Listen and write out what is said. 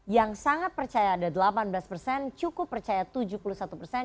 yang sangat percaya ada delapan belas persen cukup percaya tujuh puluh satu persen